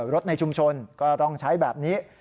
รถในชุมชนก็ต้องใช้แบบนี้